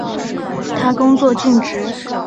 他工作尽职。